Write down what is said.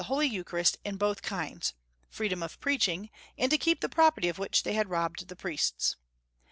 Holy Eucharist in both kinds, freedom of preach ing, and to keep the property of which they had robbed the priests.